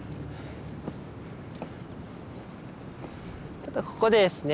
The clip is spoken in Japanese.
ちょっとここでですね